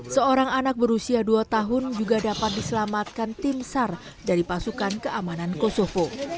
seorang anak berusia dua tahun juga dapat diselamatkan tim sar dari pasukan keamanan kosofo